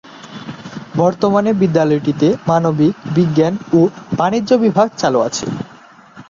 বর্তমানে বিদ্যালয়টিতে মানবিক, বিজ্ঞান ও বাণিজ্য বিভাগ চালু আছে।